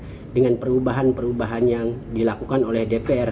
yang punya keinginan dengan perubahan perubahan yang dilakukan oleh dpr